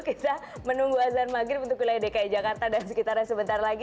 kita menunggu azan maghrib untuk wilayah dki jakarta dan sekitarnya sebentar lagi